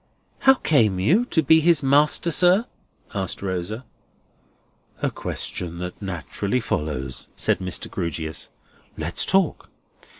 "How came you to be his master, sir?" asked Rosa. "A question that naturally follows," said Mr. Grewgious. "Let's talk.